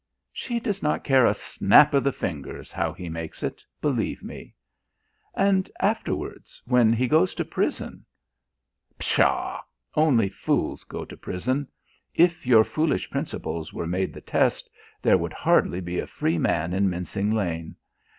"She does not care a snap of the fingers how he makes it, believe me." "And afterwards, when he goes to prison " "Pshaw only fools go to prison. If your foolish principles were made the test, there would hardly be a free man in Mincing Lane.